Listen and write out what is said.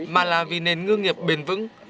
mà là vì nền ngư nghiệp bền vững